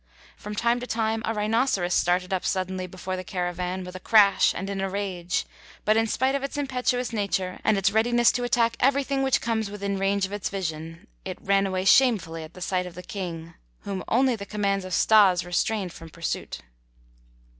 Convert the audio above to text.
From time to time a rhinoceros started up suddenly before the caravan with a crash and in a rage, but in spite of its impetuous nature and its readiness to attack everything which comes within range of its vision, it ran away shamefully at the sight of the King, whom only the commands of Stas restrained from pursuit.